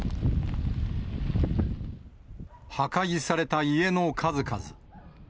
破壊された家の数々。